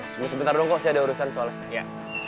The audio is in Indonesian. cuma sebentar dong kok saya ada urusan soalnya